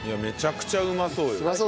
めちゃくちゃうまそうよ。